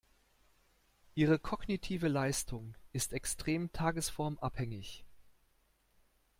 Ihre kognitive Leistung ist extrem tagesformabhängig.